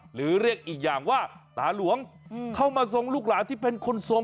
หรือเรียกอีกอย่างว่าตาหลวงเข้ามาทรงลูกหลานที่เป็นคนทรง